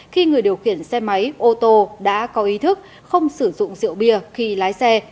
khi người điều khiển xe máy ô tô đã có ý thức không sử dụng rượu bia khi lái xe